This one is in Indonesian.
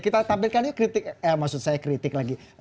kita tampilkan yuk kritik eh maksud saya kritik lagi